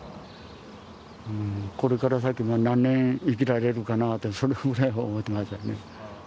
これから先何年生きられるかなと、そればかり思ってますね。